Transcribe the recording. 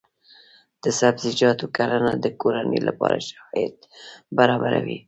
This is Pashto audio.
د سبزیجاتو کرنه د کورنۍ لپاره ښه عاید برابروي.